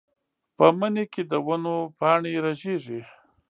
په مني کې د ونو پاڼې رژېږي.